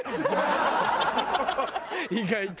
意外と。